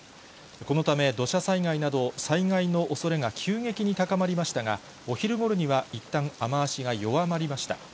このため、土砂災害など、災害のおそれが急激に高まりましたが、お昼ごろにはいったん雨足が弱まりました。